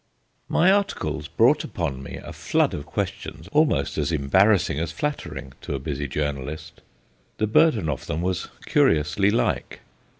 My articles brought upon me a flood of questions almost as embarrassing as flattering to a busy journalist. The burden of them was curiously like.